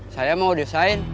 saya mau desain